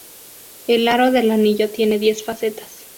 El aro del anillo tiene diez facetas.